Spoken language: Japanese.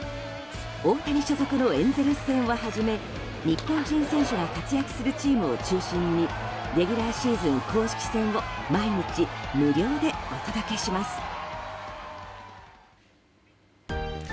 大谷所属のエンゼルス戦をはじめ日本人選手が活躍するチームを中心にレギュラーシーズン公式戦を毎日、無料でお届けします。